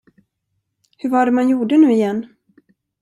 Hur var det man gjorde, nu igen?